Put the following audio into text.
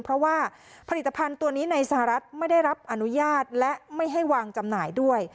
เพราะว่าผลิตภัณฑ์ตัวนี้ในสหรัฐไม่ได้รับอนุญาตและไม่ให้วางจำหน่ายด้วย